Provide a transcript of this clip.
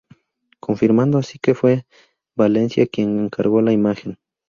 Confirmando así que fue Valencia quien encargo la imagen.